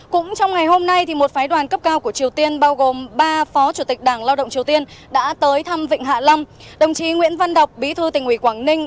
cũng trong ngày hôm nay thì một phái đoàn cấp cao của triều tiên bao gồm ba phó chủ tịch đảng lao động triều tiên đã tới thăm vịnh hạ lâm